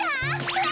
うわ！